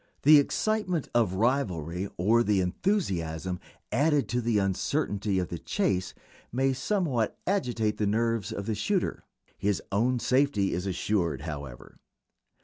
The excitement of rivalry or the enthusiasm, added to the uncertainty, of the chase may somewhat agitate the nerves of the shooter. His own safety is assured, however.